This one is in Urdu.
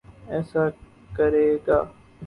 ایسا کرے گا۔